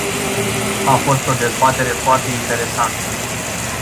A fost o dezbatere foarte interesantă.